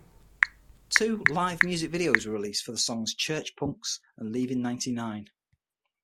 Two live music videos were released for the songs "Church Punks" and "Leaving Ninety-Nine".